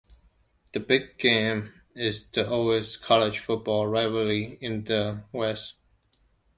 The Big Game is the oldest college football rivalry in the West.